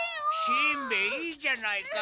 しんべヱいいじゃないか。